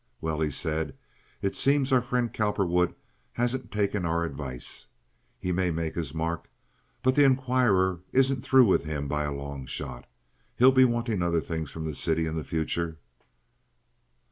"Well," he said, "it seems our friend Cowperwood hasn't taken our advice. He may make his mark, but the Inquirer isn't through with him by a long shot. He'll be wanting other things from the city in the future."